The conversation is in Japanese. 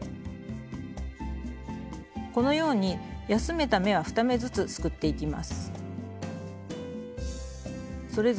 このように休めた目は２目ずつすくっていきます。